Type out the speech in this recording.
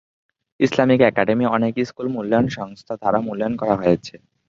Islamic academy অনেক school মূল্যায়ন সংস্থা দ্বারা মূল্যায়ন করা হয়েছে।